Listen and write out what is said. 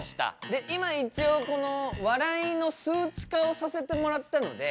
で今一応この笑いの数値化をさせてもらったので。